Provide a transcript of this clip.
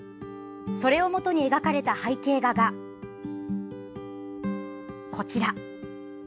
それをもとに描かれた背景画がこちら。